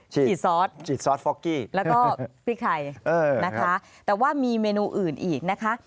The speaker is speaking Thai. ฉีดซอสแล้วก็พริกไทยนะคะแต่ว่ามีเมนูอื่นอีกนะคะ